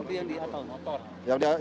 tapi yang di atta awun